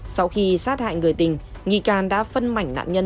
sau khi sát hại người tình nghi can đã phân mảnh nạn nhân